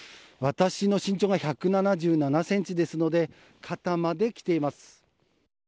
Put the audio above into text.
私の身長が１７７ｃｍですので肩まできています。